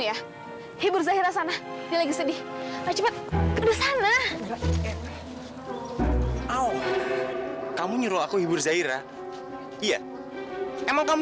ya hibur zahira sana lagi sedih cepet ke sana kamu nyuruh aku hibur zahira iya emang kamu